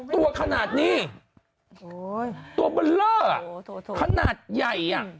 ตัวขนาดนี้ตัวเบลอขนาดใหญ่